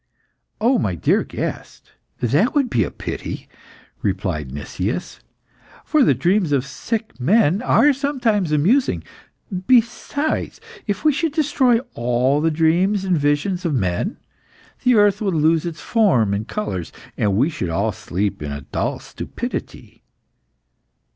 "Oh, my dear guest, that would be a pity!" replied Nicias. "For the dreams of sick men are sometimes amusing. Besides, if we should destroy all the dreams and visions of men, the earth would lose its form and colours, and we should all sleep in a dull stupidity."